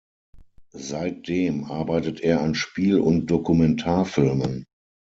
Seitdem arbeitet er an Spiel- und Dokumentarfilmen.